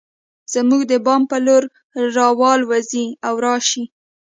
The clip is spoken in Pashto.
زموږ د بام پر لور راوالوزي او راشي